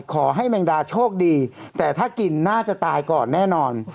แมงดาโชคดีแต่ถ้ากินน่าจะตายก่อนแน่นอน